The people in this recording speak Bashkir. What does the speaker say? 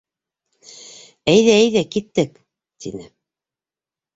— Әйҙә, әйҙә, киттек, — тине.